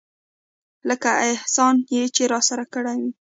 لکه احسان چې يې راسره کړى وي.